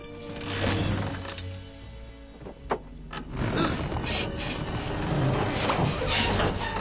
うっ！